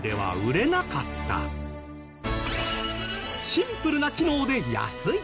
シンプルな機能で安い